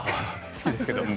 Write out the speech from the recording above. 好きですけれども。